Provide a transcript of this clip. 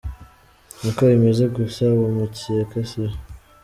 Niko bimeze gusa uwo mukeka siwe.